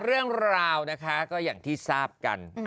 เรื่องราวนะคะก็อย่างที่ทราบกัน